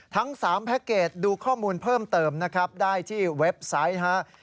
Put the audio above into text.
ทั้ง๓แพ็คเกจดูข้อมูลเพิ่มเติมนะครับได้ที่เว็บไซต์ฮะ